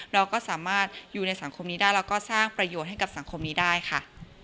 เราก็สามารถอยู่ในสังคมนี้ได้แล้วก็สร้างประโยชน์ให้กับสังคมนี้ได้ค่ะ